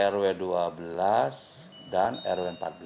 rw dua belas dan rw empat belas